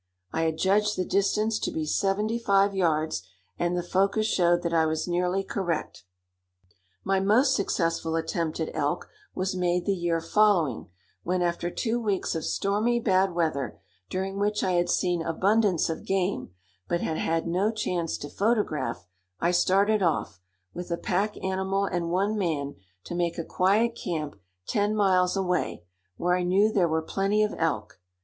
I had judged the distance to be seventy five yards, and the focus showed that I was nearly correct. My most successful attempt at elk was made the year following, when, after two weeks of stormy, bad weather, during which I had seen abundance of game, but had had no chance to photograph, I started off, with a pack animal and one man, to make a quiet camp ten miles away, where I knew there were plenty of elk.